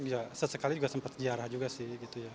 betul ibu mungkin sesekali juga sempat sejarah juga sih gitu ya